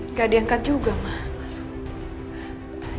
nggak diangkat juga mak